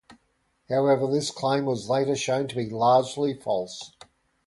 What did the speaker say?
However, this claim was later shown to be largely false.